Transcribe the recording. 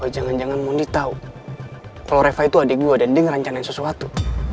apa jangan jangan mondi tau kalo reva itu adik gue dan dia ngerancanain sesuatu